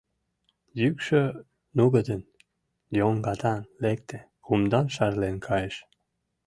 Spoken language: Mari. Йӱкшӧ нугыдын, йоҥгатан лекте, кумдан шарлен кайыш.